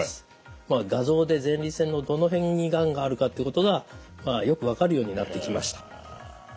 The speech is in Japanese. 画像で前立腺のどの辺にがんがあるかっていうことがよく分かるようになってきました。